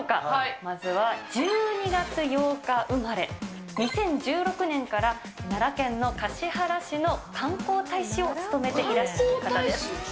まずは、１２月８日生まれ、２０１６年から奈良県の橿原市の観光大使を務めていらっしゃる方です。